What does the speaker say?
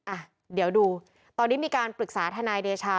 อ่ะเดี๋ยวดูตอนนี้มีการปรึกษาทนายเดชา